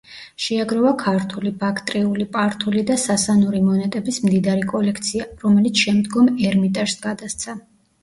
შეაგროვა ქართული, ბაქტრიული, პართული და სასანური მონეტების მდიდარი კოლექცია, რომელიც შემდგომ ერმიტაჟს გადასცა.